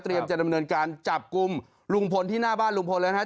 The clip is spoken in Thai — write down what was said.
จะดำเนินการจับกลุ่มลุงพลที่หน้าบ้านลุงพลแล้วนะครับ